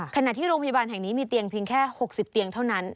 ขณะที่โรงพยาบาลแห่งนี้มีเตียงเพียงแค่๖๐เตียงเท่านั้น